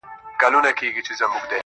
هو زه پوهېږمه، خیر دی یو بل چم وکه,